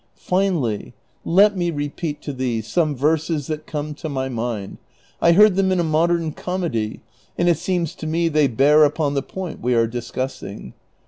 Finally let me repeat to thee some verses that come to my mind ; I heard them in a modern comedy, and it seems to me they bear upon the point we are discussing.